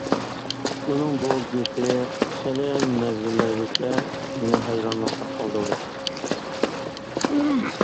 ئۇنىڭ بۇ گېپى خېلى مەزگىللەرگىچە مېنى ھەيرانلىقتا قالدۇردى.